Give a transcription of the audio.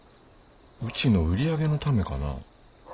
うちの売り上げのためかな。